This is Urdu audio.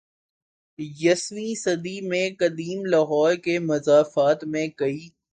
یسویں صدی میں قدیم لاہور کے مضافات میں کئی